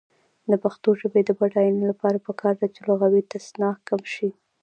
د پښتو ژبې د بډاینې لپاره پکار ده چې لغوي تصنع کم شي.